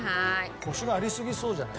コシがありすぎそうじゃない？